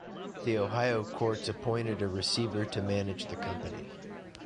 The Ohio courts appointed a receiver to manage the company.